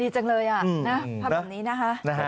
ดีจังเลยอ่ะภาพแบบนี้นะครับ